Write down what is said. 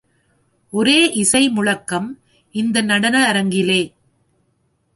ஒரே இசை முழக்கம் இந்த நடன அரங்கிலே.